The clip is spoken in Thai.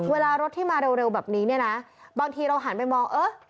เวลารถที่มาเร็วแบบนี้เนี่ยนะบางทีเราหันไปมองเออ